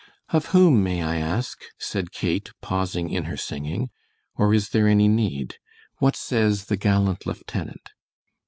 "Of whom, may I ask?" said Kate, pausing in her singing, "or is there any need? What says the gallant lieutenant?"